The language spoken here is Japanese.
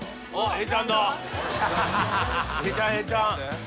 永ちゃん永ちゃん。